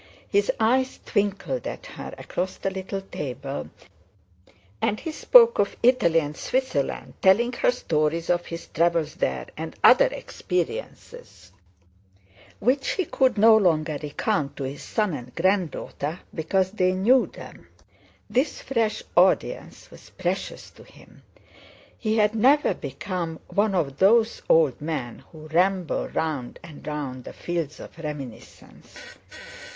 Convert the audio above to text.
His eyes twinkled at her across the little table and he spoke of Italy and Switzerland, telling her stories of his travels there, and other experiences which he could no longer recount to his son and grand daughter because they knew them. This fresh audience was precious to him; he had never become one of those old men who ramble round and round the fields of reminiscence.